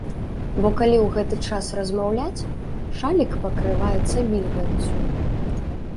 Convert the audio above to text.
Бо калі ў гэты час размаўляць, шалік пакрываецца вільгаццю.